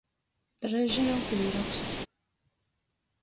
Dreiži jau pīroksts.